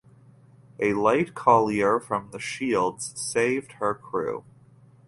A light collier from Shields saved her crew.